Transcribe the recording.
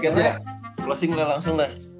si kan jak closing lah langsung lah